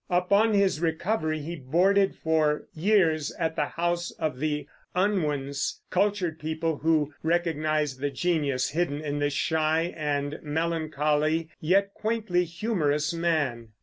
Upon his recovery he boarded for years at the house of the Unwins, cultured people who recognized the genius hidden in this shy and melancholy yet quaintly humorous man.